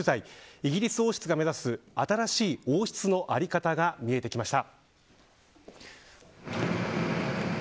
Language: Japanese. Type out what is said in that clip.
イギリス王室が目指す新しい王室の在り方が見えてきました。